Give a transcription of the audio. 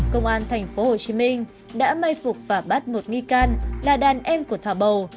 công an tp hcm đã may phục và bắt một nghi can là đàn em của thả bầu